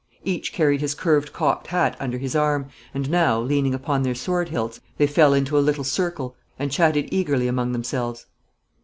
Each carried his curved cocked hat under his arm, and now, leaning upon their sword hilts, they fell into a little circle and chatted eagerly among themselves.